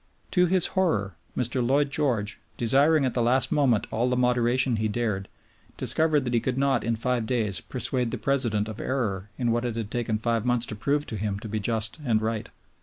To his horror, Mr. Lloyd George, desiring at the last moment all the moderation he dared, discovered that he could not in five days persuade the President of error in what it had taken five months to prove to him to be just and right.